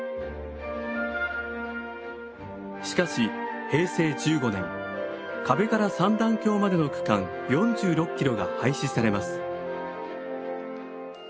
しかし平成１５年可部から三段峡までの区間４６キロが廃止されます。